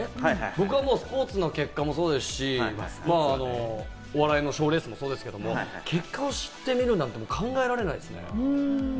僕はスポーツの結果もそうですし、お笑いの賞レースもそうですけれども、結果をして見るなんて考えられないですよ。